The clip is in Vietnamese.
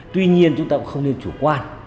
tuy nhiên chúng ta cũng không nên chủ quan